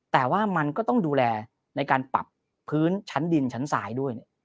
แต่ว่ามันก็ต้องดูแลในการปรับพื้นชั้นดินชั้นซ้ายด้วย